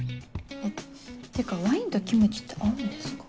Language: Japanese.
ってかワインとキムチって合うんですか？